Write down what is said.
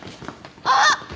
あっ！